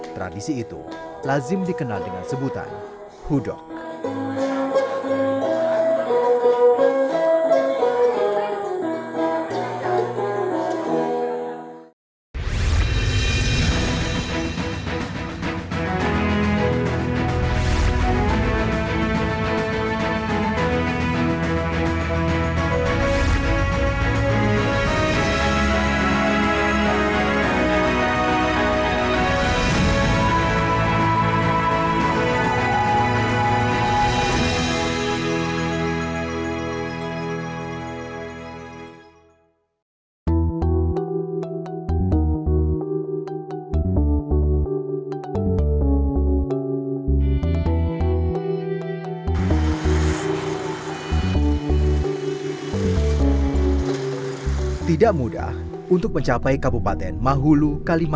tradisi itu lazim dikenal dengan sebutan hudok